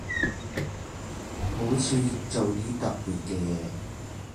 好似做啲特別嘅嘢